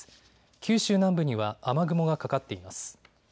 九州南部には雨雲がかかっています。